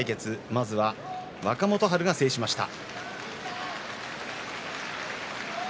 まずは若元春が制しました。